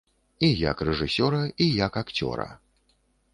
І як рэжысёра, і як акцёра.